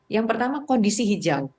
yang pertama kondisi hijau